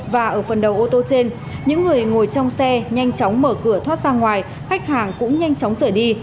và ở phần đầu ô tô trên những người ngồi trong xe nhanh chóng mở cửa thoát ra ngoài khách hàng cũng nhanh chóng sửa đi